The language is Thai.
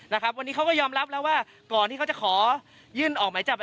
นะครับวันนี้เขาก็ยอมรับแล้วว่าก่อนที่เขาจะขอยื่นออกหมายจับ